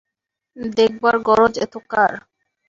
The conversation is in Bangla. দেখবার গরজ এত কার।